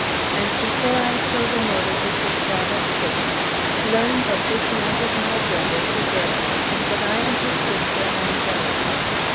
And, before I show the motive which has brought us hither, learn that this knight is my brother Uberto, and that I am his sister Angelica.